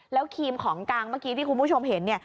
แล้วครีมของกลางเมื่อกี้ที่คุณผู้ชมเห็นเนี่ย